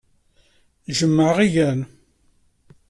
Jjmeɣ igen.